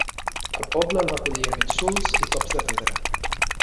El poble el va acollir amb insults, i cops de pedra.